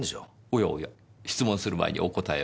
おやおや質問する前にお答えを。